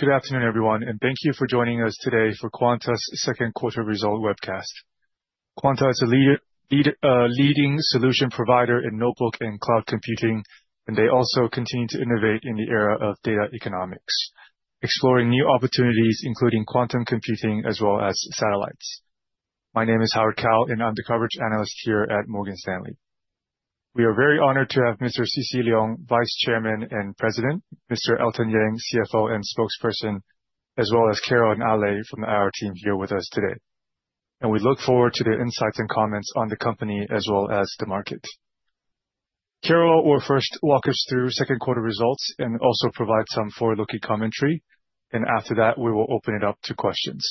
Hello, good afternoon everyone, and thank you for joining us today for Quanta's Second Quarter Result Webcast. Quanta is a leading solution provider in notebooks and cloud computing, and they also continue to innovate in the era of data economics, exploring new opportunities including quantum computing as well as satellites. My name is Howard Kao, and I'm the coverage analyst here at Morgan Stanley. We are very honored to have Mr. Chee-Chun Leung, Vice Chairman and President, Mr. Elton Yang, CFO and spokesperson, as well as Carol and Ali from the IR team here with us today. We look forward to their insights and comments on the company as well as the market. Carol will first walk us through second quarter results and also provide some forward-looking commentary. After that, we will open it up to questions.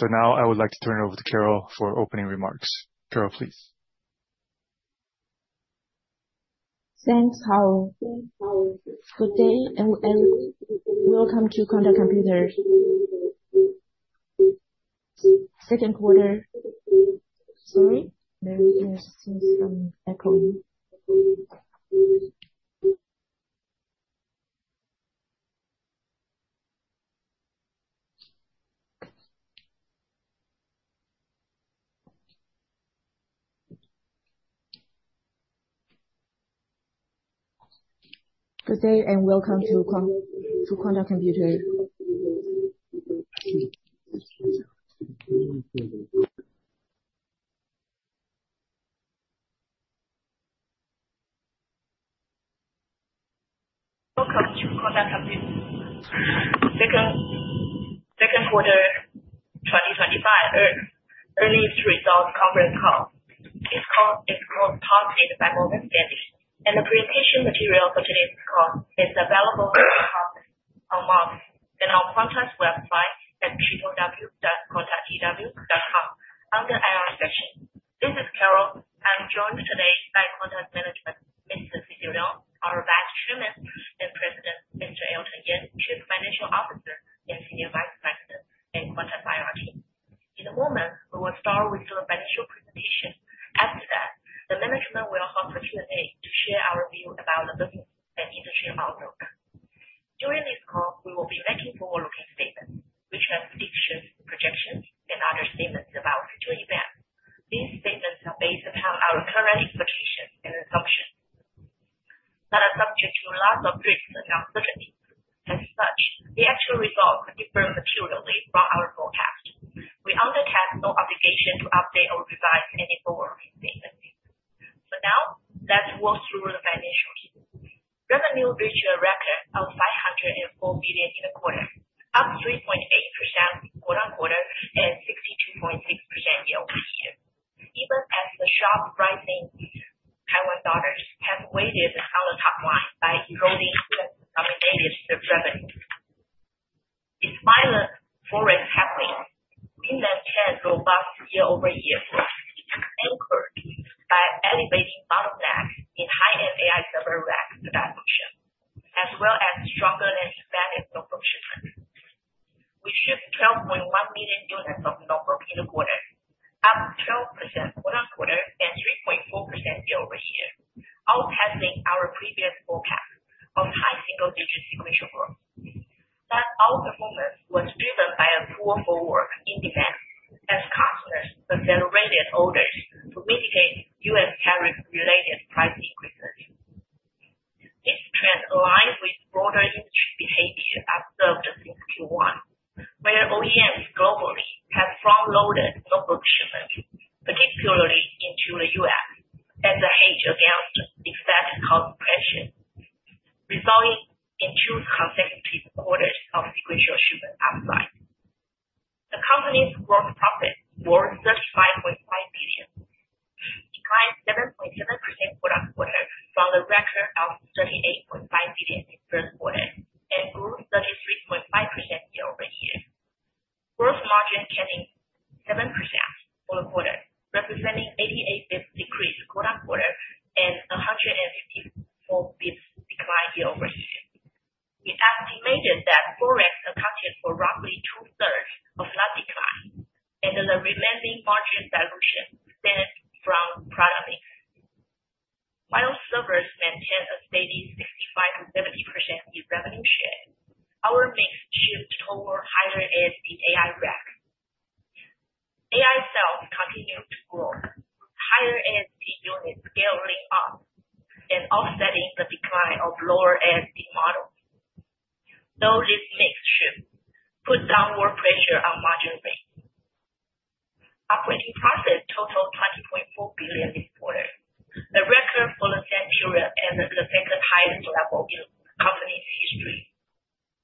I would like to turn it over to Carol for opening remarks. Carol, please. Thanks, Howard. Good day and welcome to Quanta Computer's Second Quarter 2025 Earnings Result Conference Call. Maybe there's some echoing. Good day and welcome to Quanta Computer. Welcome to Quanta Computer. Second Quarter 2025 Earnings Result Conference Call. The call is called Talking about the DevOps Standards. The presentation material for today's call is available in the form of a mock and on Quanta's website at q2w.quantacu.com under IR Specialists. This is Carol. I'm joined today by Quanta's management, Mr. Chee-Chun Leung, our Vice Chairman and President, Mr. Elton Yang, Chief Financial Officer and Senior Vice President, and Quanta's IR team. We will start with the financial presentation. After that, the management will have the opportunity to share our view about the business and industry outlook. During this call, we will be making forward-looking statements, which are predictions, projections, and other statements about future events. These statements are based upon our current expectations and assumptions that are subject to lots of risks and uncertainties. As such, the actual results differ materially from our forecast. We undertake no obligation to update or revise any forward-looking statements. Now, let's walk through the financials. Revenue reached a record of $504 million in the quarter, up 3.8% quarter-on-quarter and 62.6% YoY. Even as the sharp rise in Taiwan dollar has weighed on the top line by growing substantially since revenue. Modern forces have driven investment robust year-over-year, the second highest level in the company's history.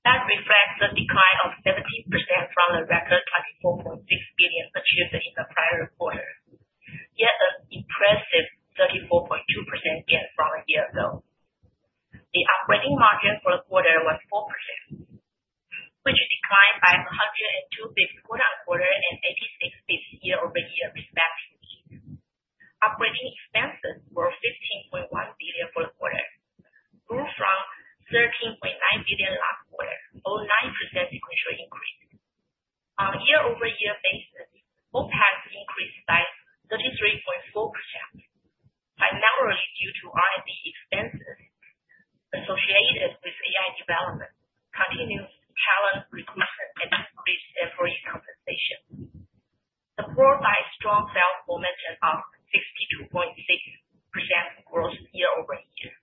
That reflects a decline of 17% from the record $24.6 billion achieved in the prior quarter, yet an impressive 34.2% gain from a year ago. The operating margin for the quarter was 4%, which declined by 102 basis points quarter-on-quarter and 86 basis points year-over-year. Operating expenses were $15.1 billion for the quarter, grew from $13.9 billion last quarter, or 9% sequential increase. On a year-over-year basis, both have increased by 33.4%, primarily due to R&D expenses associated with AI development, continued talent recruitment, and increased employee compensation. The worldwide strong sales momentum of 62.6% growth year-over-year.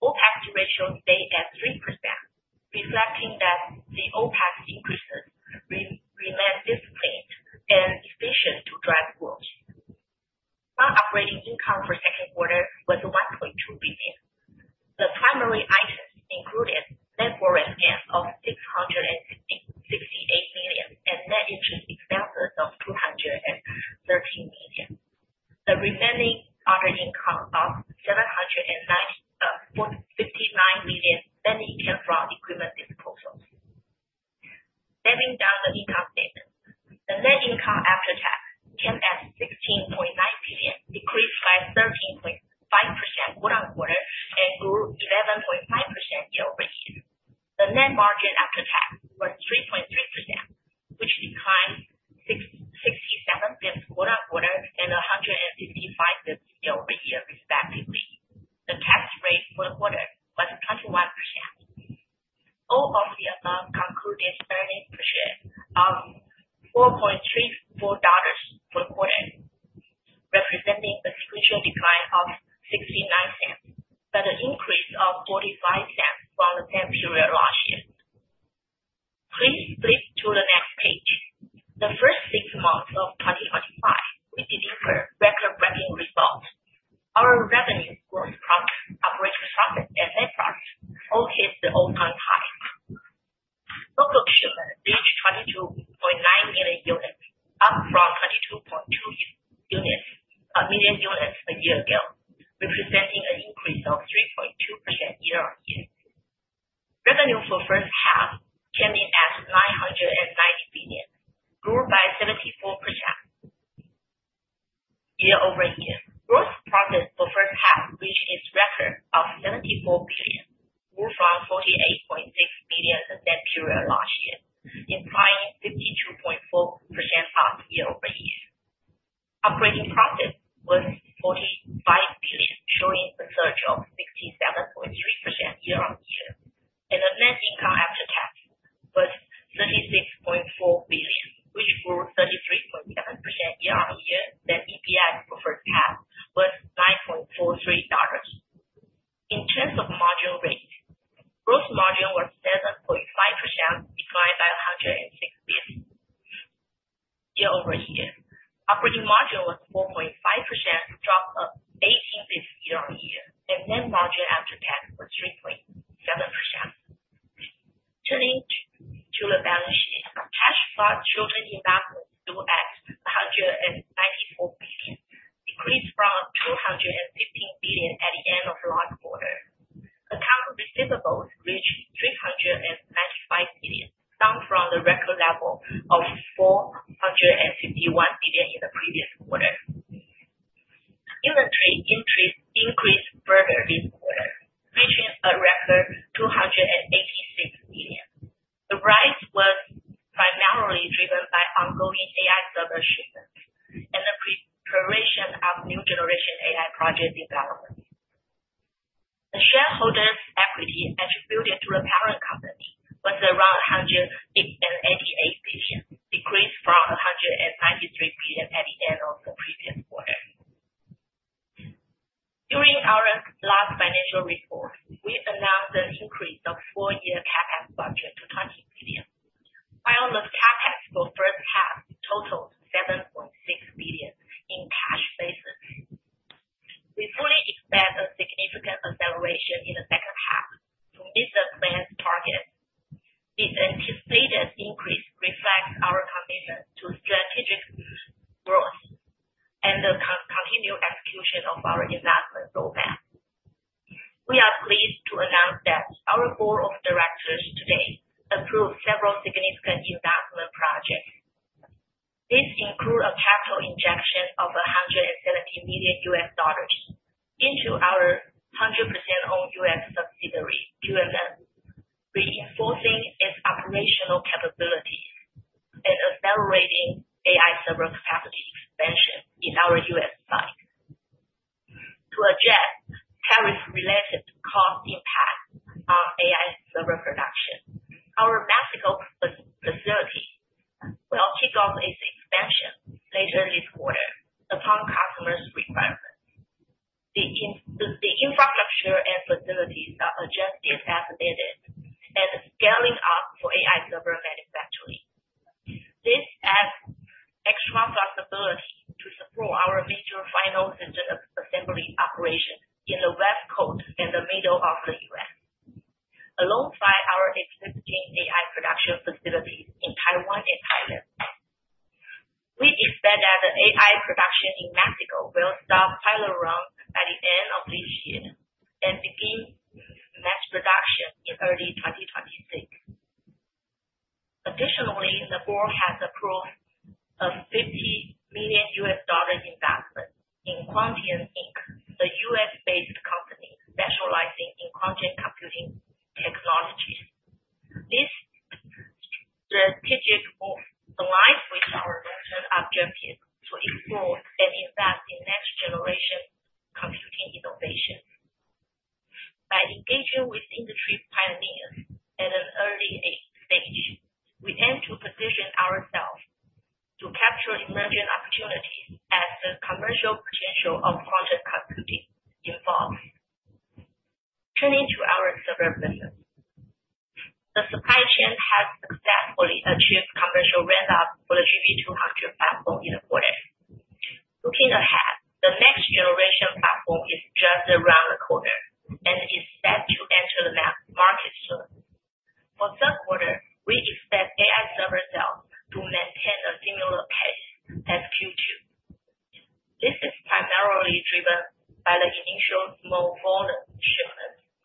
All pass ratio stayed at 3%, reflecting that the all-pass increases remain disciplined and sufficient to drive growth. Non-operating income for the second quarter was $1.2 billion. The primary items included net foreign expenses of $668 million and net interest expenses of $213 million. The remaining operating income of $759 million stemmed from equipment disposal. Stepping down the income statements, the net income after tax came at $16.9 billion, decreased by 13.5% quarter-on-quarter and grew 11.5% year-over-year. The net margin after tax was 3.3%, which declined 67 basis points quarter-on-quarter and 165 basis points year-over-year, respectively. The tax rate for the quarter was 21%.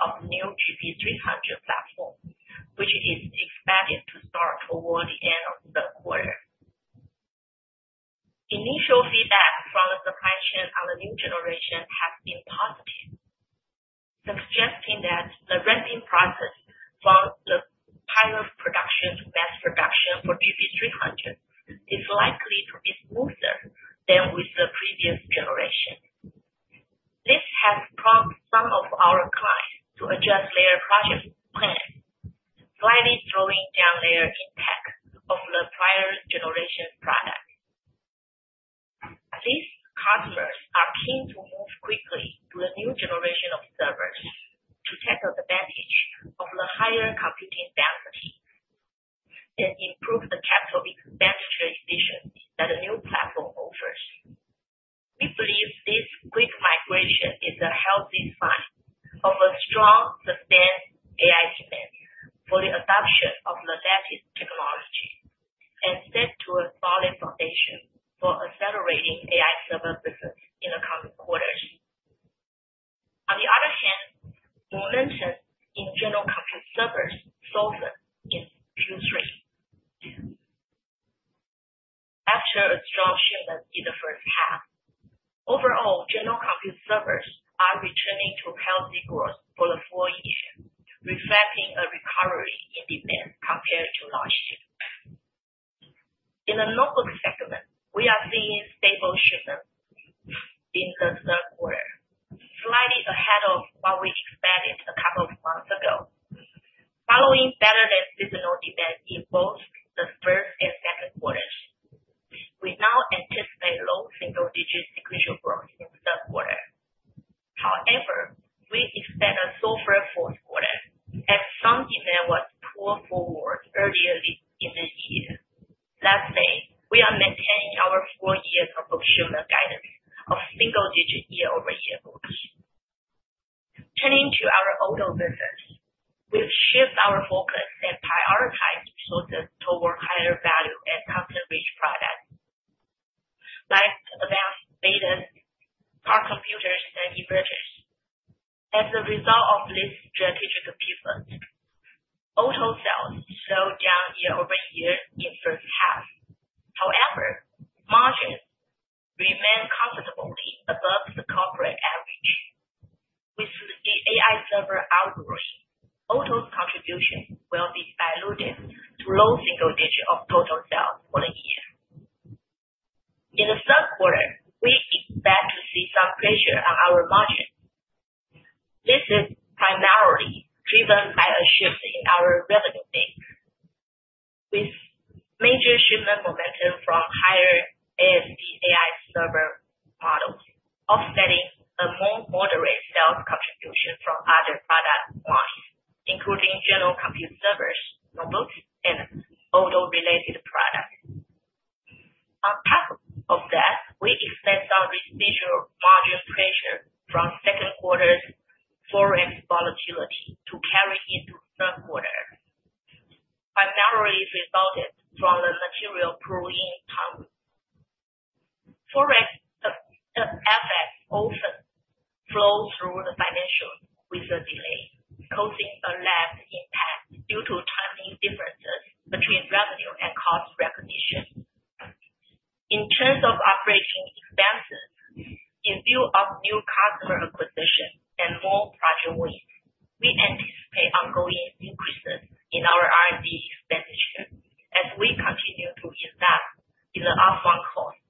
of the new GB300 platform, which is expected to start toward the end of the quarter. Initial feedback from the supply chain on the new generation has been positive, suggesting that the ready process from the pilot production to mass production for GB300 is likely to be smoother than with the previous generation. This has prompted some of our clients to adjust their project plans, slightly slowing down their impact of the prior generation product. These customers are keen to move quickly to the new generation of servers, take advantage of the higher computing bandwidth, and improve the capital expense efficiency that the new platform offers. We believe this quick migration is a healthy sign of a strong sustained AI spend for the adoption of adaptive technology, and sets a solid foundation for accelerating AI server business in the coming quarters. On the other hand, momentum in general compute servers is strengthened after a strong shift in the first half. Overall, general compute servers are returning to healthy growth for the four years, reflecting a recovery in demand compared to last year. In the notebook segment, we are seeing stable shipments in the third quarter, slightly ahead of what we expected a couple of months ago, following better than seasonal demand in both the first and second quarters. We now anticipate low single-digit sequential growth in the third quarter. However, we expect a so-far fourth quarter that some demand was pulled forward earlier in the year. That said, we are maintaining our four years of optional guidance of single-digit year-over-year goals. Turning to our auto business, we've shifted our focus and prioritized resources toward higher value and custom-based products by investing in Quanta Computer. Elton Yang, as the result of this strategic achievement, auto sales slowed down year-over-year in the first half; however, margins remain constantly above the corporate average. With the AI server outgoing, auto's contribution will be diluted to low single-digit of total sales for the year. In the third quarter, we expect to see some pressure on our margins. This is primarily driven by a shift in our revenue base, with major shipment momentum from higher-end AI server models, offsetting a more moderate sales contribution from other product lines, including general compute servers, notebooks, and auto-related products. On top of that, we expect some residual margin pressure from second quarter's FX volatility to carry into the third quarter, primarily resulting from the material pooling problem. FX assets often flow through the financials with a delay, causing a less impact due to timing differences between revenue and cost recognition. In terms of operating expenses, in view of new customer acquisition and more project weight, we anticipate ongoing increases in our R&D expenditure as we continue to invest in the upfront cost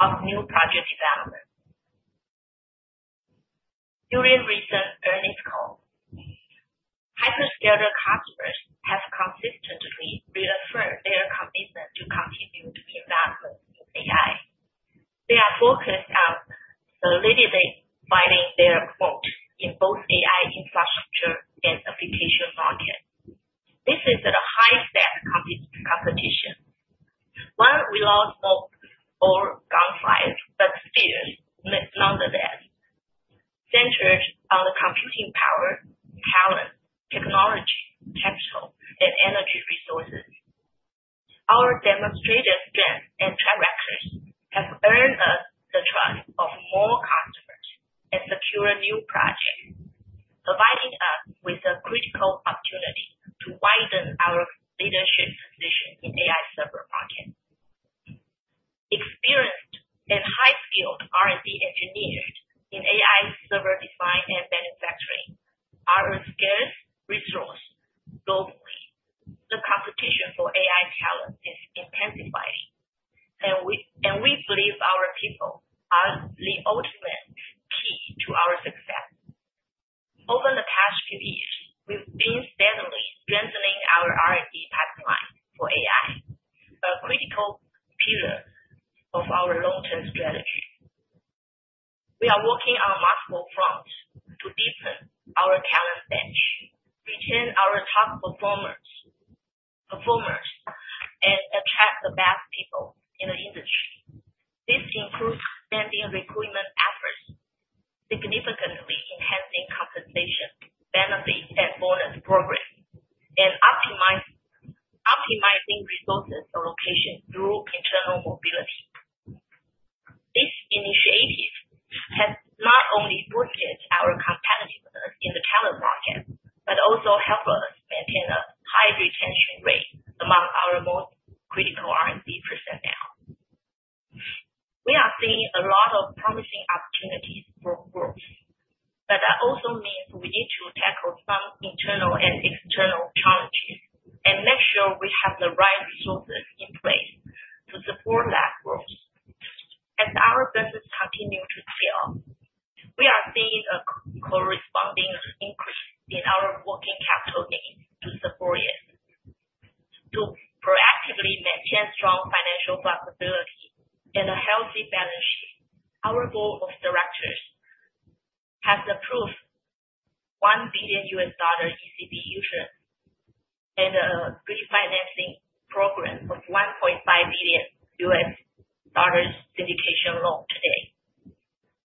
of new project development. During recent earnings calls, hyperscaler customers have consistently reaffirmed their commitment to continue to develop AI. They are focused on leading their foot in both the AI infrastructure and application market. This is at a high-stake competition. While we all hope for downsize, the spirit is not the best, centered on the computing power, talent, technology, capital, and energy resources. Our demonstrated strength and track record have earned us the trust of more customers and secured new projects, providing us with a critical opportunity to widen our leadership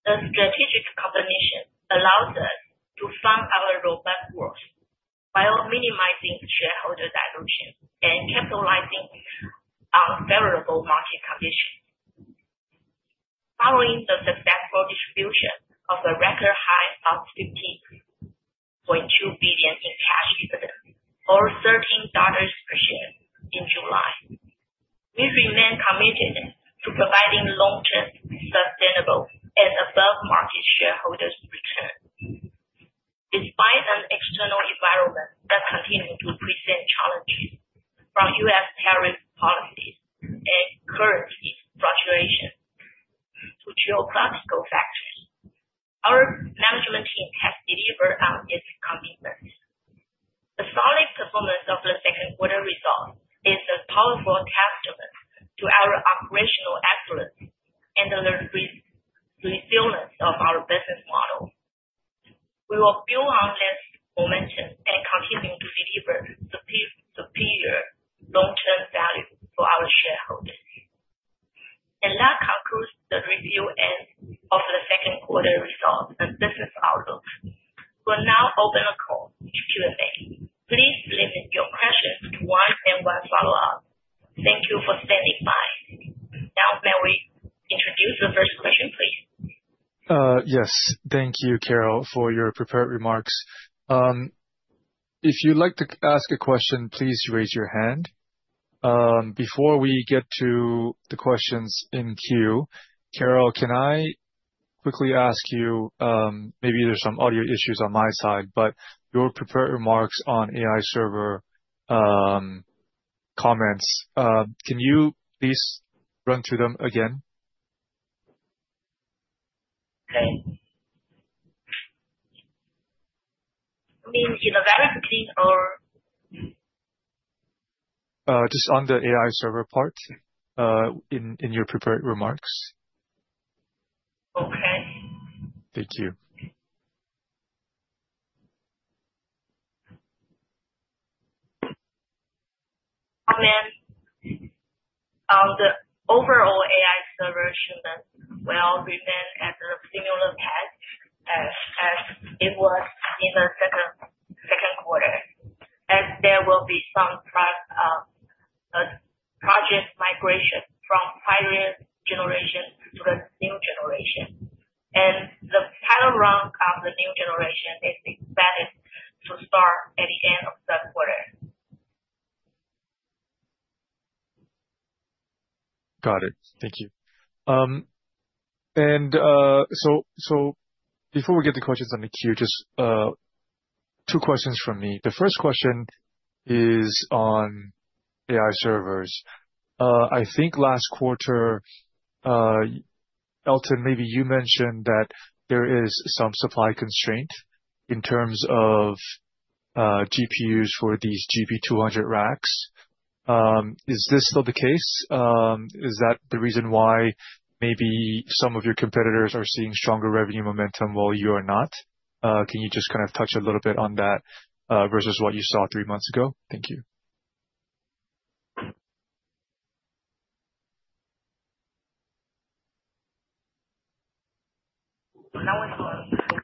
The strategic combination allows us to fund our robust growth while minimizing shareholder dilution and capitalizing on favorable market conditions. Following a successful distribution of a record high of $15.2 billion in cash reserves, or $13 per share in July, we remain committed to providing long-term sustainable and above-market shareholders' returns. Despite an external environment that continues to present challenges from U.S. tariff policies and currency fluctuations to geographical factors, our management team has delivered on its commitments. The solid performance of the second quarter result is a powerful testament to our operational excellence and the resilience of our business model. We will build on this momentum and continue to deliver superior long-term value for our shareholders. That concludes the review of the second quarter result and business outlook. We'll now open the call to Q&A. Please submit your questions to one and one follow-up. Thank you for standing by. Now, may we introduce the first question, please? Yes. Thank you, Carol, for your prepared remarks. If you'd like to ask a question, please raise your hand. Before we get to the questions in queue, Carol, can I quickly ask you, maybe there's some audio issues on my side, but your prepared remarks on AI server comments, can you please run through them again? Thank you. The balance sheet or? Just on the AI server part in your prepared remarks. Thank you. On the overall AI server shipment, we'll remain at the similar pace as it was in the second quarter. There will be some project migration from the prior generation to the new generation. The final round of the new generation is expected to start at the end of the third quarter. Got it. Thank you. Before we get the questions on the queue, just two questions from me. The first question is on AI servers. I think last quarter, Elton, maybe you mentioned that there is some supply constraint in terms of GPUs for these GB200 racks. Is this still the case? Is that the reason why maybe some of your competitors are seeing stronger revenue momentum while you are not? Can you just kind of touch a little bit on that versus what you saw three months ago? Thank you. Now it's loud.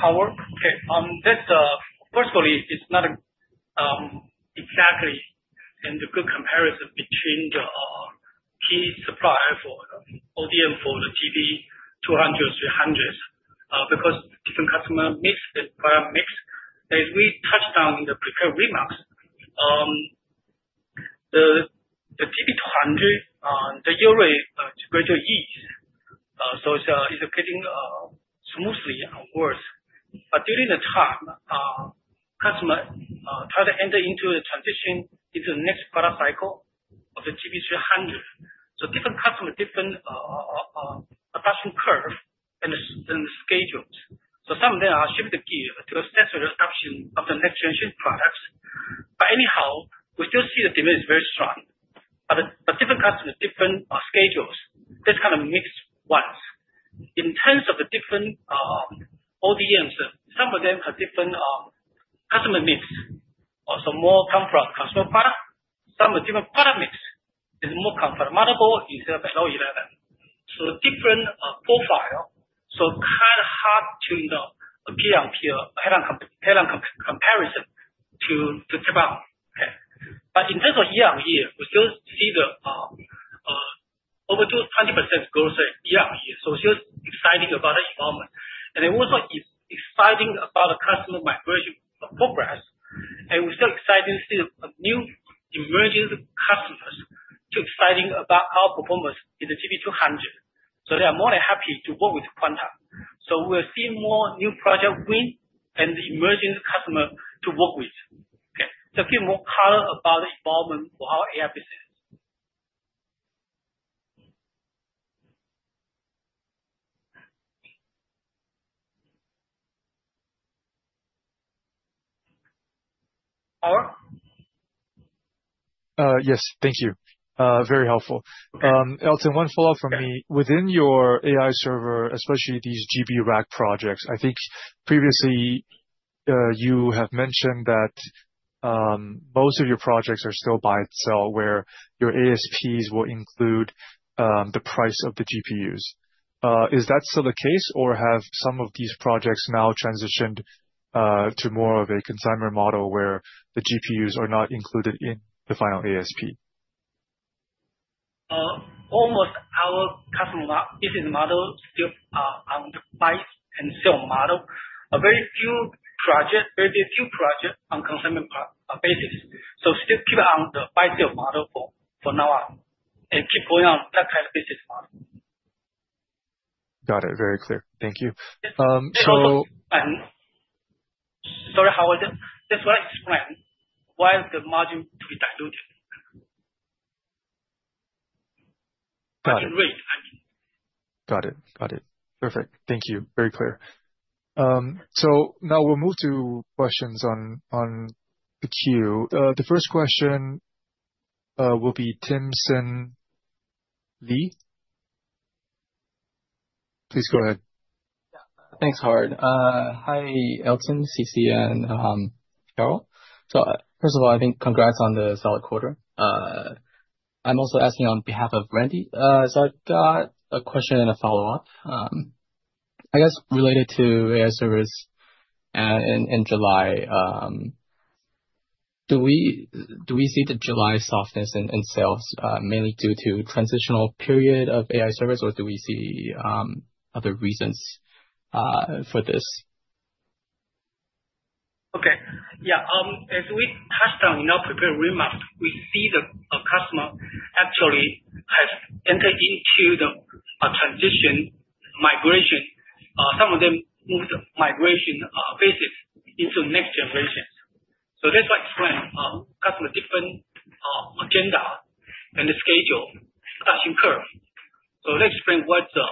Howard, this personally, it's not exactly a good comparison between the key suppliers for ODM for the GB200, 300s because different customer needs, different client needs. As we touched on the prepared remarks, the GB200, the delivery is greater ease. It's getting smoothly worse. During the time, customers try to enter into the transition into the next product cycle of the GB300. Different customers, different adoption curves and the schedules. Some of them are shifting gear to the sensor adoption of the next-generation products. Anyhow, we still see the demand is very strong. Different customers, different schedules, this kind of mix wild. In terms of the different ODMs, some of them have different customer needs. More comfort customer products, some of the different product mix is more comfortable instead of low level. Different profiles, so kind of hard to do a peer-on-peer head-on head-on comparison to keep up. In terms of year-on-year, we still see the over 25% growth in year-on-year. It's still exciting about the involvement. It wasn't exciting about the customer migration progress. We're still excited to see the new emerging customers still excited about our performance in the GB200. They are more than happy to work with Quanta. We'll see more new projects bring and the emerging customers to work with. A few more comments about this involvement for our AI business. Yes, thank you. Very helpful. Elton, one follow-up from me. Within your AI server, especially these GB rack projects, I think previously you have mentioned that most of your projects are still by itself, where your ASPs will include the price of the GPUs. Is that still the case, or have some of these projects now transitioned to more of a consignment model where the GPUs are not included in the final ASP? Almost all customer business models still are on the buy-and-sell model. Very few projects are on a consignment basis. We still keep it on the buy-and-sell model for now and keep going on that kind of business model. Got it. Very clear. Thank you. Sorry, Howard. What is the plan? Why is the margin to be diluted? Got it. Perfect. Thank you. Very clear. Now we'll move to questions on the queue. The first question will be Timson Lee. Please go ahead. Yeah. Thanks, Howard. Hi, Elton, Chee-Chun, and Carol. First of all, I think congrats on the solid quarter. I'm also asking on behalf of Randy. I've got a question and a follow-up. I guess related to AI servers in July, do we see the July softness in sales mainly due to the transitional period of AI servers, or do we see other reasons for this? Okay. As we touched on in our prepared remarks, we see the customer actually has entered into the transition migration. Some of them moved migration phases into next generations. That's why it's a couple of different agendas and the schedule discussion curve. Let's explain what the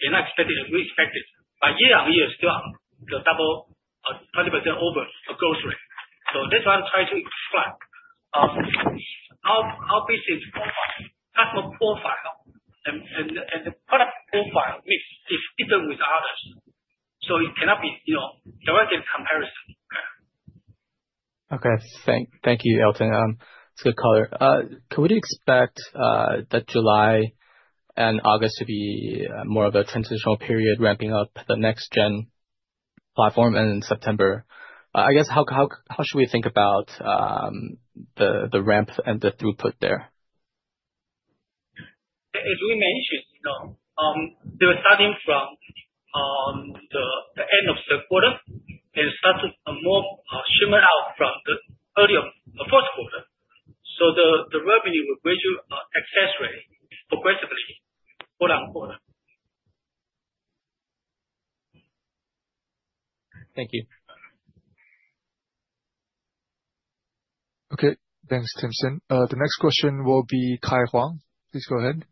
month-on-month AI strategy we expected. By year-on-year, still on the double 20% over the growth rate. That's why I'm trying to explain our business for customer profile and the product profile is different with others. It cannot be a direct comparison. Okay. Thank you, Elton. That's a good color. Could we expect that July and August to be more of a transitional period ramping up the next-gen platform in September? I guess how should we think about the ramp and the throughput there? As we mentioned, we're starting from the end of the quarter. It starts more shimmering out from the earlier first quarter. The revenue will gradually accelerate progressively, quote-unquote. Thank you. Okay. Thanks, Timson. The next question will be Kai Huang. Please go ahead.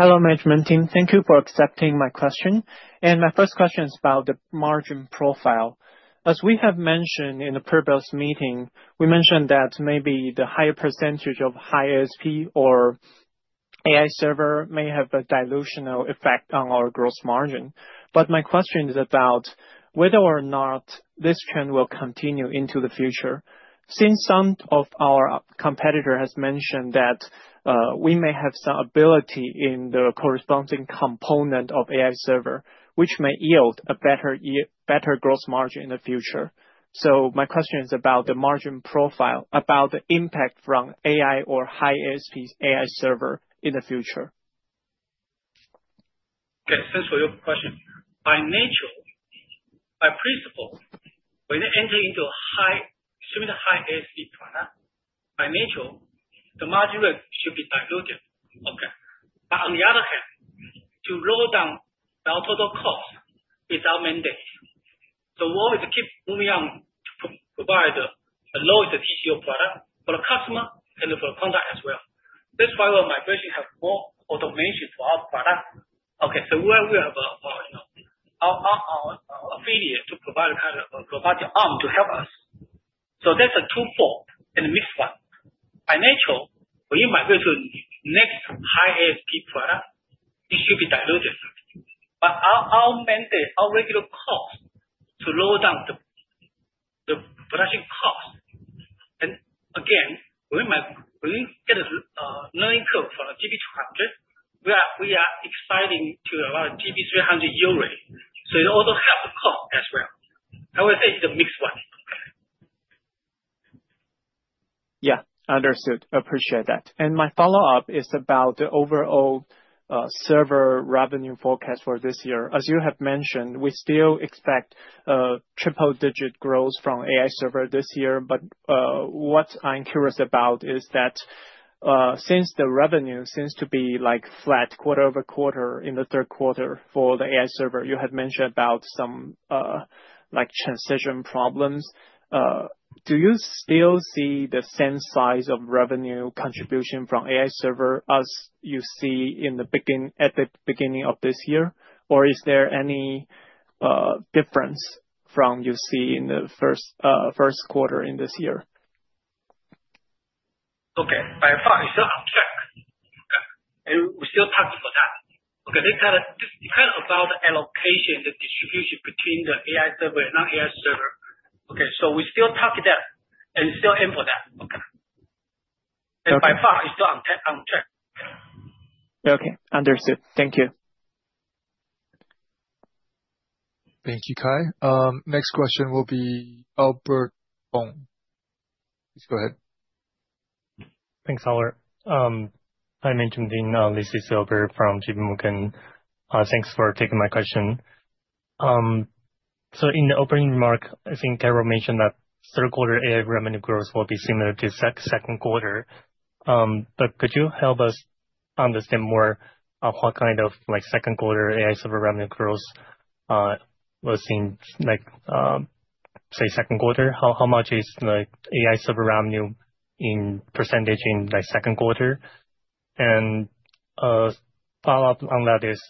Hello, management team. Thank you for accepting my question. My first question is about the margin profile. As we have mentioned in the pre-built meeting, we mentioned that maybe the higher percentage of high-ASP or AI server may have a dilutional effect on our gross margin. My question is about whether or not this trend will continue into the future, since some of our competitors have mentioned that we may have some ability in the corresponding component of AI server, which may yield a better gross margin in the future. My question is about the margin profile, about the impact from AI or high-ASP AI server in the future. That's a good question. By nature, by principle, when they enter into a high, extremely high ASP product, by nature, the margin rate should be diluted. On the other hand, to lower down our total cost is our mandate. We'll always keep moving on to provide the lowest TCO product for the customer and for the contact as well. That's why our migration has more automation for our product. Where we have our affiliate to provide a kind of robotic arm to help us, that's a twofold in this one. By nature, when you migrate to the next high ASP product, it should be diluted. Our mandate, our regular cost to lower down the production cost. Again, when we get a learning curve from a GB200, we are expanding to about a GB300 euro. It also helps cost as well. I would say it's a mixed one. Understood. Appreciate that. My follow-up is about the overall server revenue forecast for this year. As you have mentioned, we still expect triple-digit growth from AI server this year. What I'm curious about is that since the revenue seems to be flat quarter-over-quarter in the third quarter for the AI server, you had mentioned some transition problems. Do you still see the same size of revenue contribution from AI server as you see at the beginning of this year? Is there any difference from what you see in the first quarter in this year? By far, it's still on track. We're still targeting for that. This is kind of about the allocation and the distribution between the AI server and non-AI server. We're still targeting that and still aim for that. By far, it's still on track. Okay. Understood. Thank you. Thank you, Kai. Next question will be Albert Hung. Please go ahead. Thanks, Howard. I mentioned in our list is Albert from JPMorgan. Thanks for taking my question. In the opening remark, I think Carol mentioned that third-quarter AI revenue growth will be similar to the second quarter. Could you help us understand more what kind of second-quarter AI server revenue growth was in, say, second quarter? How much is the AI server revenue in percentage in the second quarter? A follow-up on that is,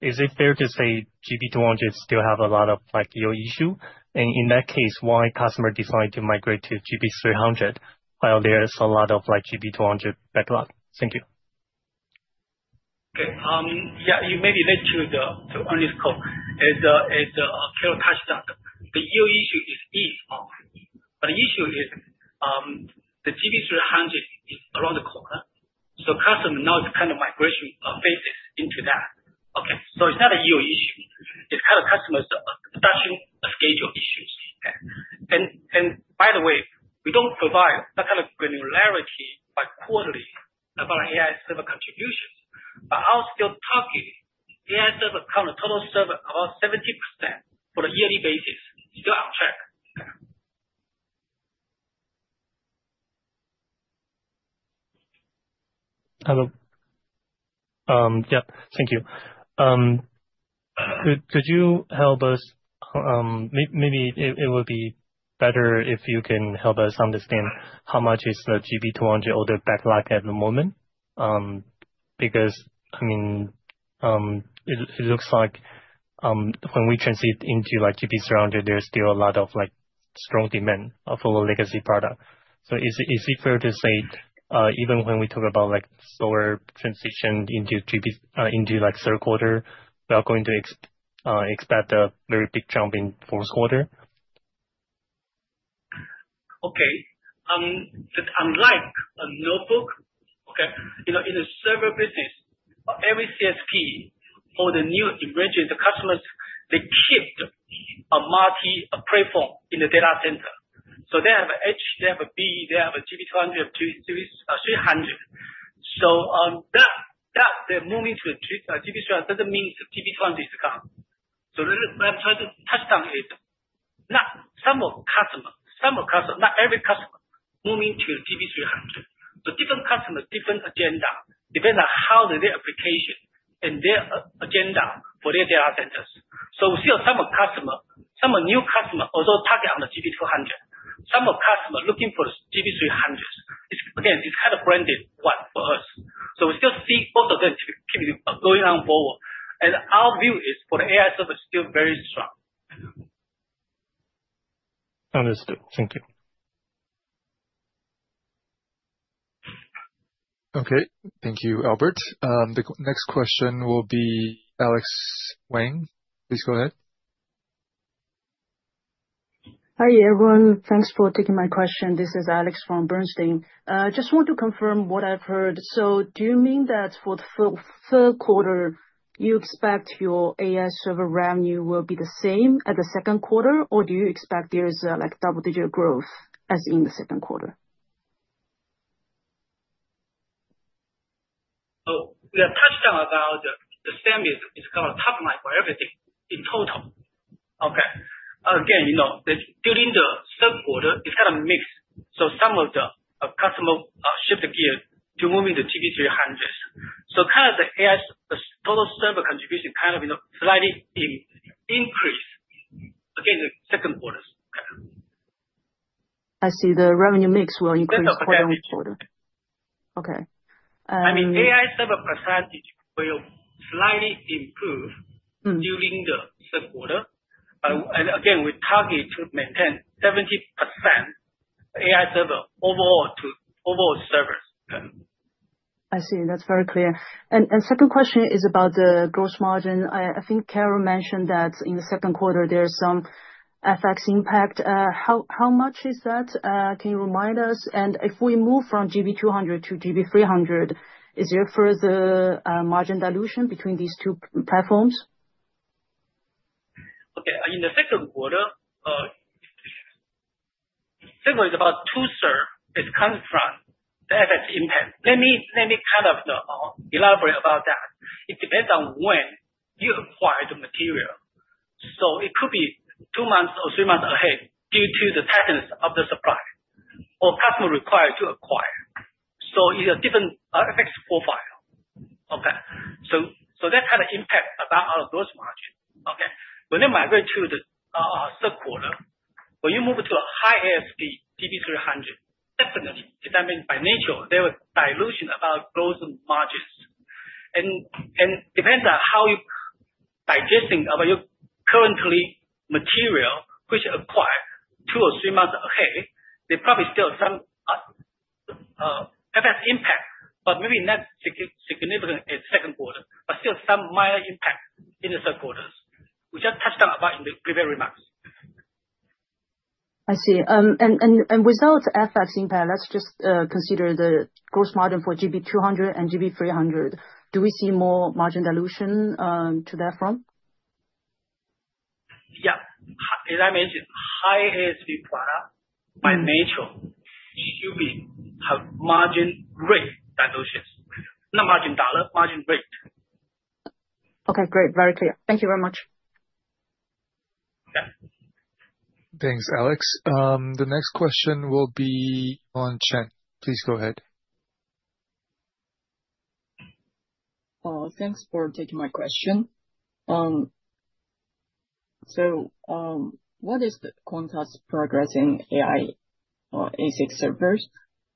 is it fair to say GB200 still has a lot of EO issues? In that case, why do customers decide to migrate to GB300 while there is a lot of GB200 backlog? Thank you. Okay. You may be late to the earlier call. As Carol touched on, the EO issue is easy, but the issue is the GB300 is around the corner. Customers now depend on migration phases into that. It's not an EO issue. It's kind of customers' production schedule issues. By the way, we don't provide that kind of granularity by quarterly about AI server contributions. I'll still tell you, AI server, kind of total server, about 70% on a yearly basis is still unfair. Thank you. Could you help us? Maybe it would be better if you can help us understand how much is the GB200 order backlog at the moment? I mean, it looks like when we transition into GB300, there's still a lot of strong demand for the legacy product. Is it fair to say, even when we talk about slower transition into third quarter, we are going to expect a very big jump in the fourth quarter? Okay. I'm driving a notebook. Okay. You know, in the server business, every CSP for the new emerging customers, they keep a multi-platform in the data center. They have an H, they have a B, they have a GB200, GB300. Moving to a GB300 doesn't mean GB200 is gone. What I'm trying to touch on is not some of the customers, some of the customers, not every customer moving to GB300. Different customers, different agendas depend on how their application and their agenda for their data centers. We see some customers, some new customers, although target on the GB200, some customers looking for the GB300s. Again, it's kind of granted for us. We still see both of them keep going on forward. Our view is for the AI server is still very strong. Understood. Thank you. Okay. Thank you, Albert. The next question will be Alex Wang. Please go ahead. Hi, everyone. Thanks for taking my question. This is Alex from Bernstein. I just want to confirm what I've heard. Do you mean that for the third quarter, you expect your AI server revenue will be the same as the second quarter, or do you expect there is a double-digit growth as in the second quarter? We have touched on about the spend is kind of top line for everything in total. During the third quarter, it's kind of mixed. Some of the customers shifted gear to moving to GB300s. The AI total server contribution kind of slightly increased in the second quarter. I see. The revenue mix will increase quarter over quarter. AI server percentage will slightly improve during the third quarter. We target to maintain 70% AI server overall to overall servers. I see. That's very clear. The second question is about the gross margin. I think Carol mentioned that in the second quarter, there's some FX impact. How much is that? Can you remind us? If we move from GB200 to GB300, is there further margin dilution between these two platforms? Okay. In the second quarter, several is about two-thirds is coming from the FX impact. Let me kind of elaborate about that. It depends on when you acquire the material. It could be two months or three months ahead due to the tightness of the supply or customer required to acquire. It's a different FX profile. That's kind of the impact about our gross margin. When they migrate to the third quarter, when you move to a high-ASP, GB300, definitely, that means by nature, there was dilution about gross margins. It depends on how you're digesting about your currently material, which acquires two or three months ahead, there's probably still some FX impact, but maybe not significant in the second quarter, but still some minor impact in the third quarters, which I touched on about in the prepared remarks. I see. Without FX impact, let's just consider the gross margin for GB200 and GB300. Do we see more margin dilution to that from? As I mentioned, high-ASP AI products by nature should have margin rate dilutions, not margin dollar, margin rate. Okay. Great. Very clear. Thank you very much. Thanks, Alex. The next question will be on Chen. Please go ahead. Thanks for taking my question. What is Quanta's progress in AI or ASIC servers?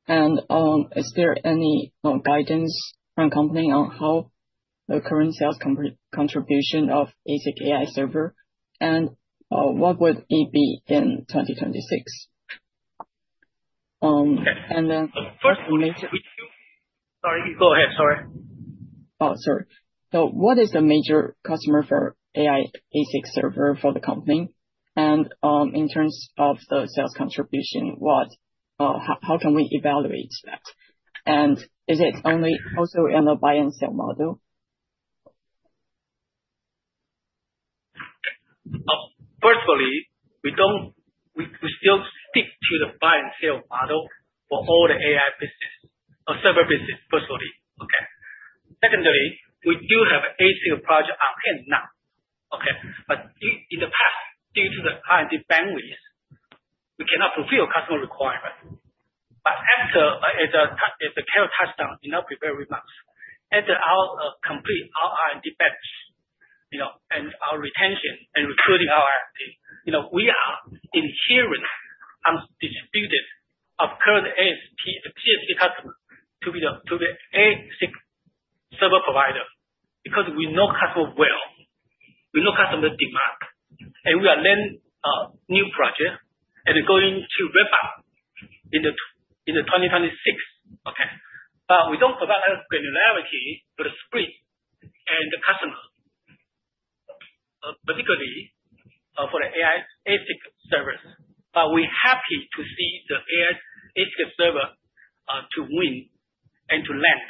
Is there any guidance from the company on how the current sales contribution of ASIC AI server is, and what would it be in 2026? What's the major? Sorry, go ahead. Sorry. Sorry. What is the major customer for AI ASIC server for the company? In terms of the sales contribution, how can we evaluate that? Is it also only in a buy-and-sell model? We still stick to the buy-and-sell model for all the AI business or server business. Secondly, we do have an ASIC project at hand now. In the past, due to the R&D bandwidth, we cannot fulfill customer requirements. As Carol Hsu touched on in our prepared remarks, after our complete R&D batch and our retention and recruiting R&D, we are inherently on the distribution of current ASP and TSC customers to be the ASIC server provider because we know customers well, we know customer demand, and we are landing new projects and going to rip-off in 2026. We don't provide that granularity for the screen and the customer, particularly for the ASIC servers. We're happy to see the ASIC server to win and to land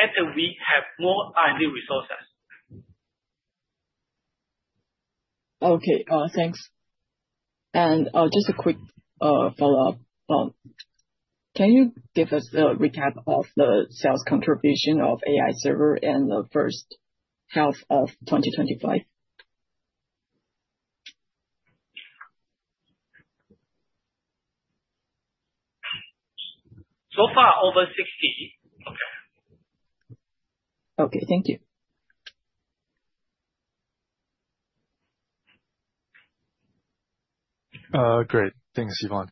after we have more R&D resources. Okay. Thanks. Just a quick follow-up. Can you give us a recap of the sales contribution of AI server in the first half of 2025? Over 60. Okay, thank you. Great. Thanks, Yvonne.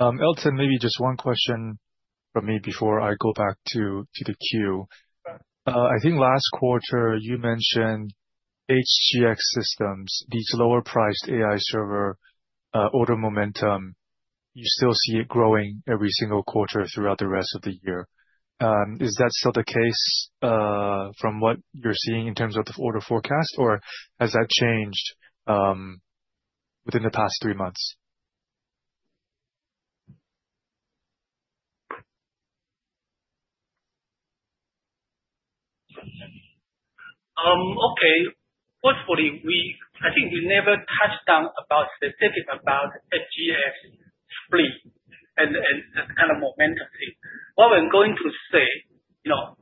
Elton, maybe just one question from me before I go back to the queue. I think last quarter, you mentioned HGX Systems, these lower-priced AI server order momentum, you still see it growing every single quarter throughout the rest of the year. Is that still the case from what you're seeing in terms of the order forecast, or has that changed within the past three months? Okay. Firstly, I think you never touched on specifically about SGS3 and the kind of momentum thing. What I'm going to say, the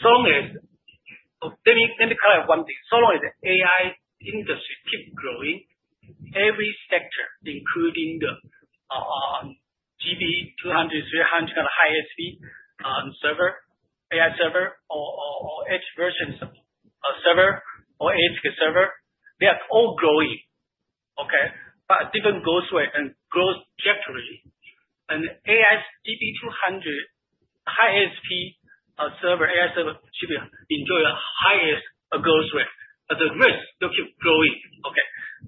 problem is the AI industry keeps growing. Every sector, including the GB200, GB300 kind of high-ASP server, AI server, or edge versions of server, or ASIC server, they are all growing. However, at a different growth rate and growth trajectory. The AI GB200, the high-ASP server, AI server, should enjoy the highest growth rate. The risk still keeps growing.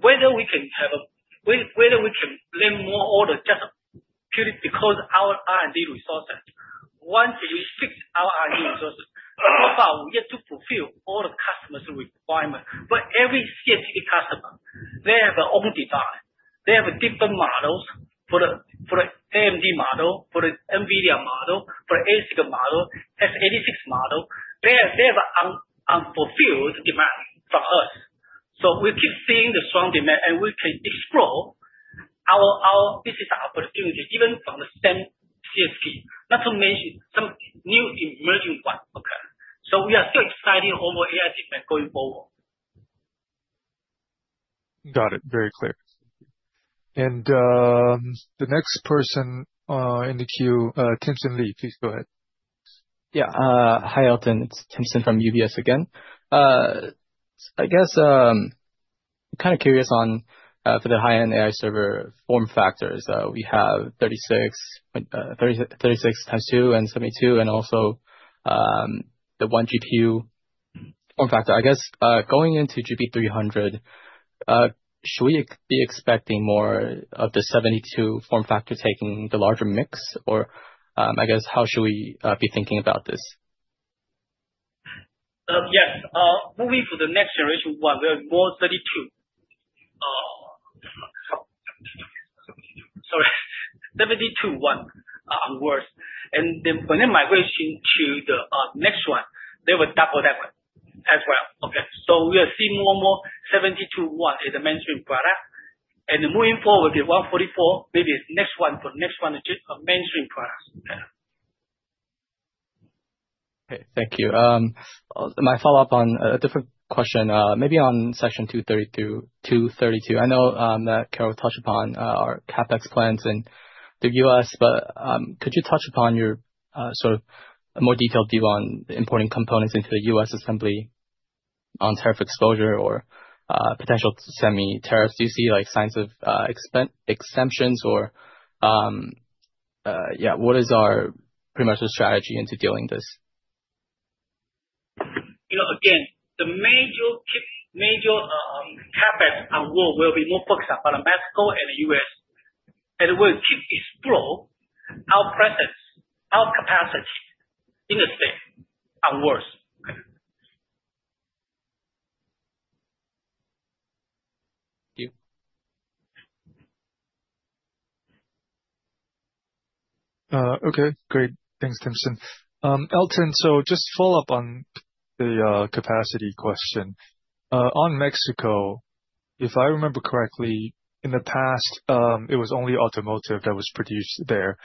Whether we can have a, whether we can land more order just because of our R&D resources, once we fix our R&D resources, so far, we have to fulfill all the customers' requirements. Every CSP customer has their own design. They have different models for the AMD model, for the NVIDIA model, for the ASIC model, F86 model. They have unfulfilled demand from us. We keep seeing the strong demand, and we can explore our, this is our opportunity, even from the same CSP, not to mention some new emerging ones. We are still excited over AI system going forward. Got it. Very clear. The next person in the queue, Timson Lee. Please go ahead. Hi, Elton. It's Timson from UBS again. I'm kind of curious on the high-end AI server form factors. We have 36 x 2 and 72, and also the 1 GPU form factor. Going into GB300, should we be expecting more of the 72 form factor taking the larger mix, or how should we be thinking about this? Yes. Moving to the next series, we're more 32. Sorry, 72 ones. And when they migrate to the next one, they will double that as well. We are seeing more and more 72 ones as a mainstream product. Moving forward to 144, maybe the next one is a mainstream product. Okay. Thank you. My follow-up on a different question, maybe on section 232. I know that Carol Hsu touched upon our CapEx plans in the U.S., but could you touch upon your sort of more detailed view on importing components into the U.S. assembly on tariff exposure or potential semi-tariffs? Do you see signs of exemptions, or what is our pretty much the strategy into dealing with this? Again, the major CapEx in the world will be more focused on Panama and the U.S. We'll keep exploring our presence, our capacity in the state onwards. Okay. Great. Thanks, Timson. Elton, just to follow up on the capacity question. On Mexico, if I remember correctly, in the past, it was only automotive that was produced there.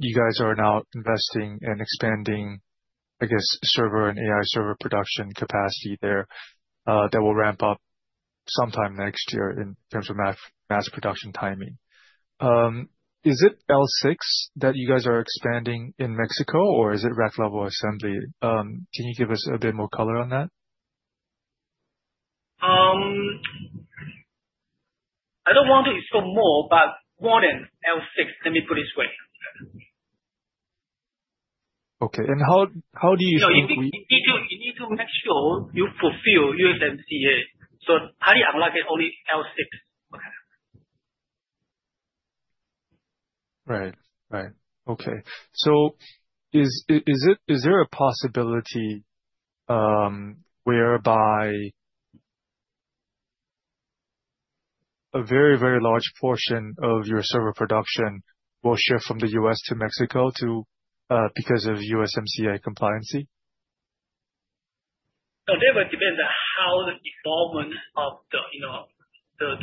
You guys are now investing and expanding, I guess, server and AI server production capacity there that will ramp up sometime next year in terms of mass production timing. Is it L6 that you guys are expanding in Mexico, or is it rack-level assembly? Can you give us a bit more color on that? I don't want to explore more, but more than L6. Let me put it this way. How do you think we? You need to make sure you fulfill USMCA. How do you unlock it, only L6? Right. Okay. Is there a possibility whereby a very, very large portion of your server production will shift from the U.S. to Mexico because of USMCA compliancy? That will depend on how the involvement of the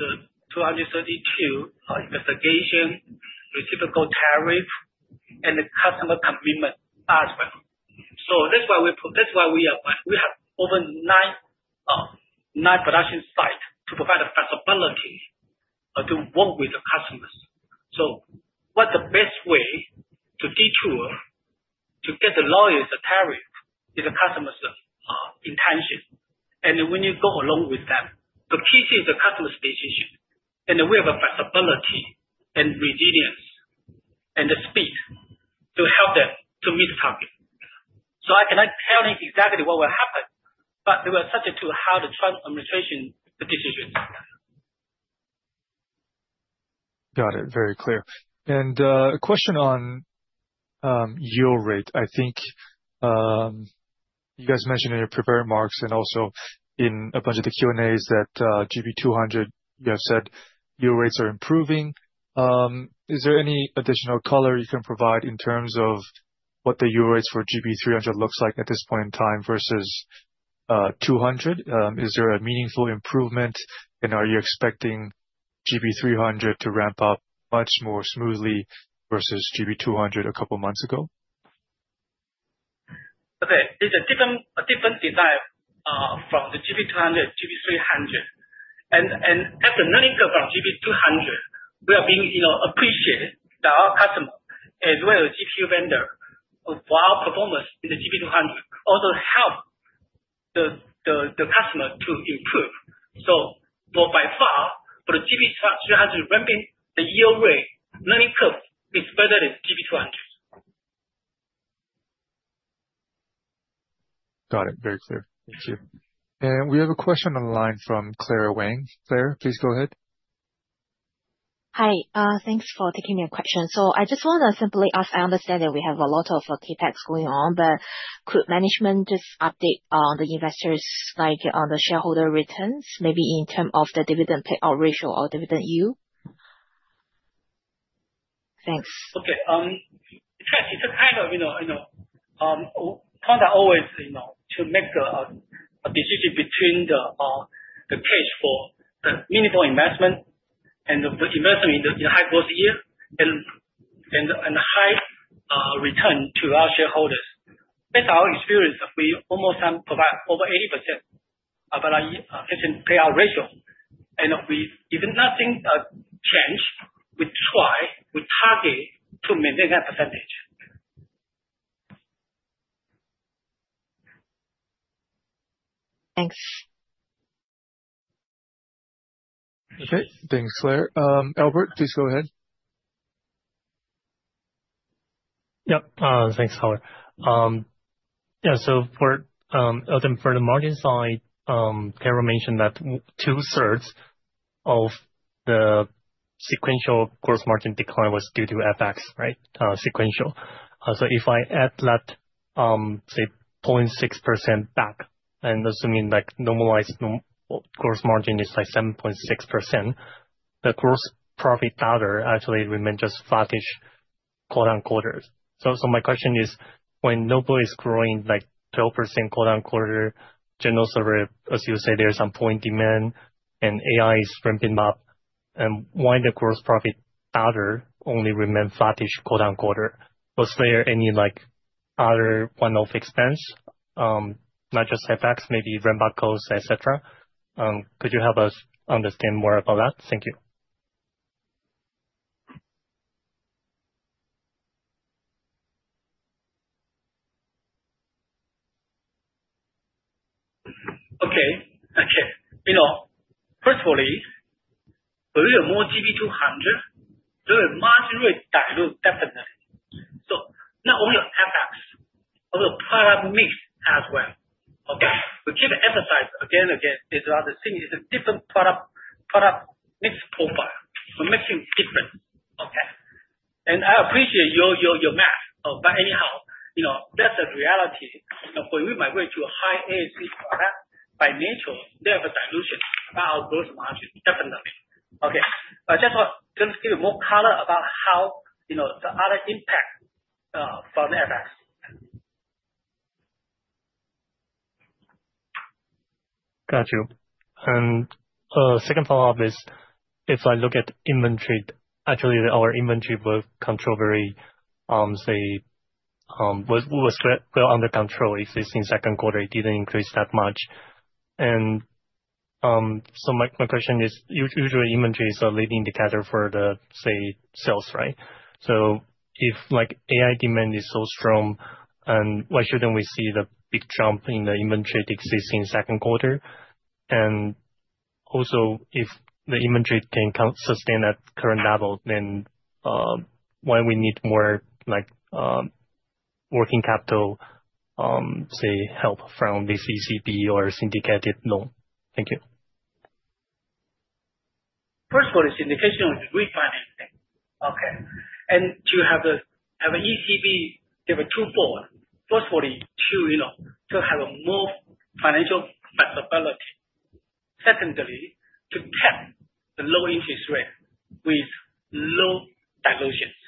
232 specification, reciprocal tariff, and the customer commitment as well. That's why we have opened nine production sites to provide the flexibility to work with the customers. What's the best way to detour to get the lowest tariff is the customer's intention. When you go along with them, the key thing is the customer's decision. We have flexibility and resilience and the speed to help them to meet the target. I cannot tell them exactly what will happen, but they will substitute how the trend administration decisions. Got it. Very clear. A question on yield rate. I think you guys mentioned in your prepared remarks and also in a bunch of the Q&As that GB200, you have said yield rates are improving. Is there any additional color you can provide in terms of what the yield rates for GB300 look like at this point in time versus 200? Is there a meaningful improvement, and are you expecting GB300 to ramp up much more smoothly versus GB200 a couple of months ago? Okay. It's a different design from the GB200, GB300. After the learning curve from GB200, we are being appreciated by our customers as well as GPU vendors. Our performance in the GB200 also helps the customer to improve. By far, for the GB300, ramping the EO rate, the learning curve is better than GB200. Got it. Very clear. Thank you. We have a question online from Clara Wang. Clara, please go ahead. Hi. Thanks for taking your question. I just want to simply ask, I understand that we have a lot of TPEX going on, could management just update on the investors, like on the shareholder returns, maybe in terms of the dividend payout ratio or dividend yield? Thanks. Okay. It's a kind of Quanta always makes a decision between the case for meaningful investment and the investment in the high growth year and high return to our shareholders. Based on our experience, we almost provide over 80% of our payout ratio. Even if nothing changed, we try to target to maintain that percentage. Thanks. Okay. Thanks, Carol. Albert, please go ahead. Yep. Thanks, Howard. Yeah. For Elton, for the margin side, Carol mentioned that 2/3 of the sequential gross margin decline was due to FX, right? Sequential. If I add that, say, 0.6% back, and assuming like normalized gross margin is like 7.6%, the growth probably better actually remains just flattish quarter-on-quarter. My question is, when nobody is growing like 12% quarter-on-quarter, general server, as you say, there's some point demand and AI is ramping up, why the gross profit better only remains flattish quarter-on-quarter? Was there any like other one-off expense, not just FX, maybe ramp-up costs, etc.? Could you help us understand more about that? Thank you. Okay. Actually, firstly, when we have more GB200, the margin rate dilute definitely. Now we have FX. We have a product mix as well. We keep emphasizing again and again, these are the things, it's a different product mix profile. We're mixing different. I appreciate your math. Anyhow, you know that's the reality. When we migrate to a high-ASP product, by nature, there are dilutions about our gross margin definitely. I just want to give you more color about how you know the other impact from. Got you. A second follow-up is, if I look at inventory, actually, our inventory was controversial. We were well under control if the same second quarter didn't increase that much. My question is, usually, inventory is a leading indicator for the, say, sales, right? If like AI demand is so strong, why shouldn't we see the big jump in the inventory decrease in the second quarter? Also, if the inventory can sustain at the current level, then why do we need more like working capital, say, help from this ECB or syndicated loan? Thank you. Firstly, syndication is a great finance thing. To have an ECB, they have a twofold. Firstly, to have more financial flexibility. Secondly, to test the low interest rate with low dilutions.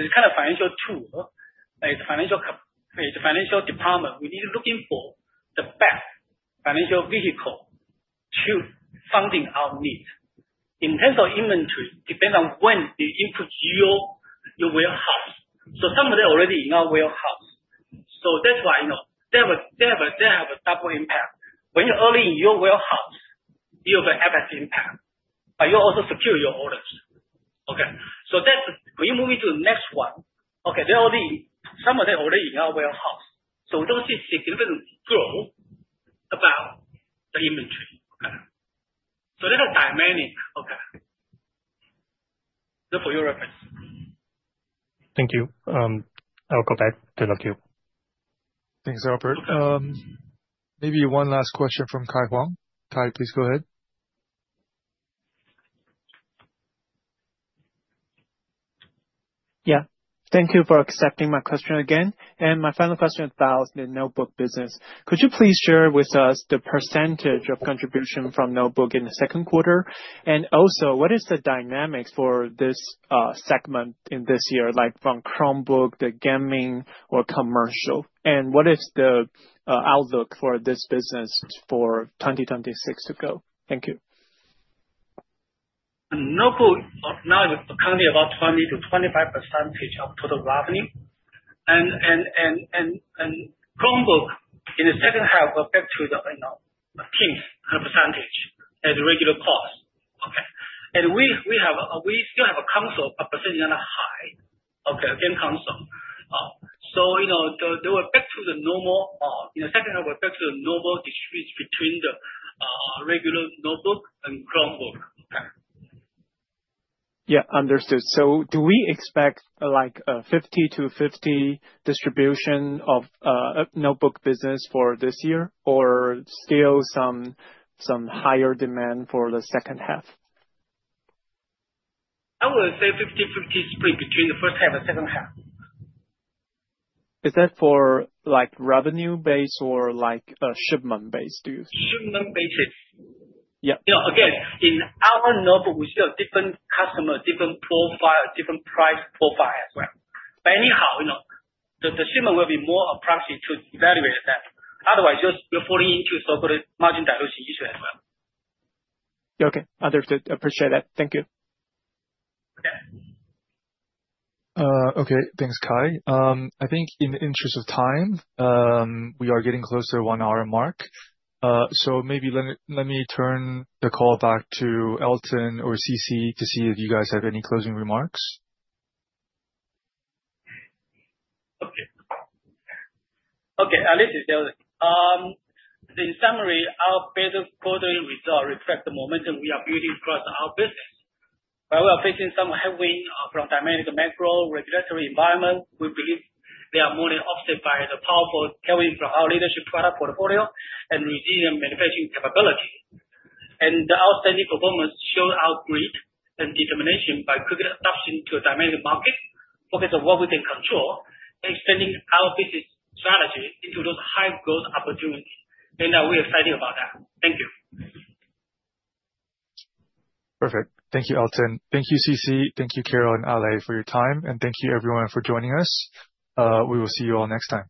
It's kind of financial tool. It's a financial department. We need to look for the best financial vehicle to funding our needs. In terms of inventory, it depends on when you increase your warehouse. Some of them are already in our warehouse. That's why they have a double impact. When you're early in your warehouse, you have an FX impact, but you also secure your orders. When you move into the next one, some of them are already in our warehouse. We don't see significant growth about the inventory. That's a dynamic look for your reference. Thank you. I'll go back to the queue. Thanks, Albert. Maybe one last question from Kai Huang. Kai, please go ahead. Thank you for accepting my question again. My final question is about the notebook business. Could you please share with us the percentage of contribution from notebook in the second quarter? Also, what is the dynamics for this segment in this year, like from Chromebook, the gaming, or commercial? What is the outlook for this business for 2026 to go? Thank you. Notebook now is currently about 20%-25% of total revenue. Chromebook in the second half were back to the 10% at a regular cost. We still have a console percentage on the high. Game console. They were back to the normal in the second half, were back to the normal distribution between the regular notebook and Chromebook. Yeah. Understood. Do we expect like a 50 to 50 distribution of notebook business for this year, or still some higher demand for the second half? I would say 50/50 split between the first half and second half. Is that for like revenue-based or like a shipment-based? Shipment-based. Again, in our notebook, we still have different customers, different profiles, different price profiles as well. Anyhow, you know the shipment will be more approximate to evaluate that. Otherwise, you're falling into so-called margin dilution issue as well. Okay. Understood. Appreciate that. Thank you. Okay. Okay. Thanks, Kai. I think in the interest of time, we are getting closer to the one-hour mark. Maybe let me turn the call back to Elton or Chee-Chun to see if you guys have any closing remarks. Okay. Alexis is there. In summary, our better quarterly results reflect the momentum we are building across our business. We are facing some headwinds from dynamic macro regulatory environments. We believe they are more than offset by the powerful tailwinds from our leadership product portfolio and resilient manufacturing capability. The outstanding performance shows our grit and determination by quick adoption to dynamic markets, focus on what we can control, extending our strategy into those high growth opportunities. We're excited about that. Thank you. Perfect. Thank you, Elton. Thank you, Chee-Chun. Thank you, Carol and Ale, for your time. Thank you, everyone, for joining us. We will see you all next time.